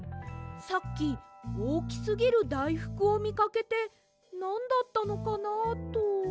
さっきおおきすぎるだいふくをみかけてなんだったのかなあと。